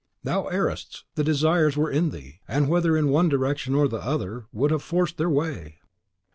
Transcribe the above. "Thou errest! the desires were in thee; and, whether in one direction or the other, would have forced their way!